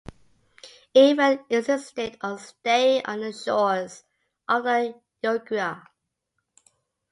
Ivan insisted on staying on the shores of the Ugra.